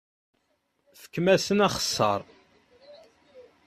Fkem-asent axeṣṣar!